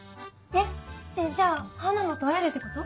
えっじゃあハナモと会えるってこと？